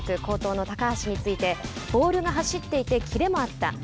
好投の高橋について「ボールが走っていてキレもあった。